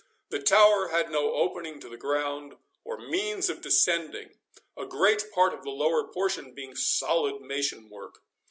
The Tower had no opening to the ground, or means of descending, a great part of the lower portion being solid mason work.